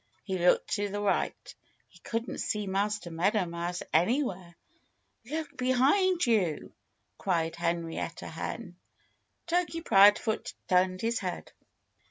He looked to the right. He couldn't see Master Meadow Mouse anywhere. "Look behind you!" cried Henrietta Hen. Turkey Proudfoot turned his head.